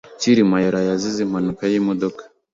Kirima yaraye azize impanuka yimodoka .